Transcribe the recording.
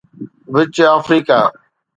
which Africa